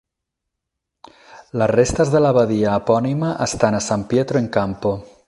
Les restes de l'abadia epònima estan a San Pietro in Campo.